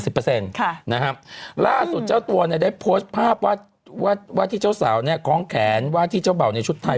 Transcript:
นะครับล่าสุดเจ้าตัวได้โพสต์ภาพว่าที่เจ้าสาวนี่ค้องแขนว่าที่เจ้าเบาในชุดไทย